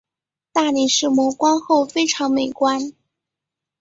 大理石磨光后非常美观。